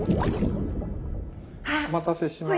お待たせしました。